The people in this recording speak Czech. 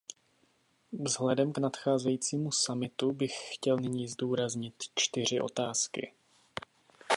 Vzhledem k nadcházejícímu summitu bych chtěl nyní zdůraznit čtyři otázky.